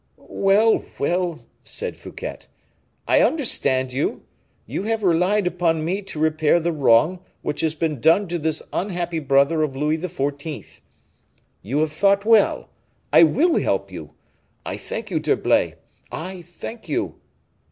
"Well, well," said Fouquet, "I understand you; you have relied upon me to repair the wrong which has been done to this unhappy brother of Louis XIV. You have thought well; I will help you. I thank you, D'Herblay, I thank you."